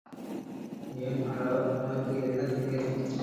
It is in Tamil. ஏன் அடா உனக்கு என்ன திமிர்?